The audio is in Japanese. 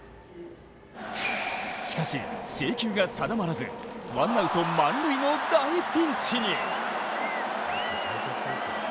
しかし制球が定まらずワンアウト満塁の大ピンチに。